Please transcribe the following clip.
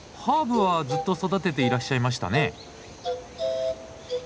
ハーブはずっと育てていらっしゃいましたね。